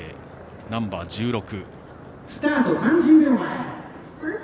ナンバー１６。